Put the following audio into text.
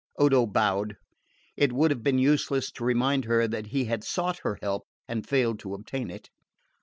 Odo bowed. It would have been useless to remind her that he had sought her help and failed to obtain it.